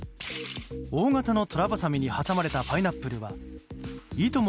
大型のトラバサミに挟まれたパイナップルはいとも